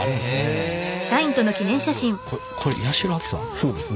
そうですね。